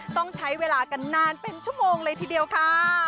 ต้องใช้เวลากันนานเป็นชั่วโมงเลยทีเดียวค่ะ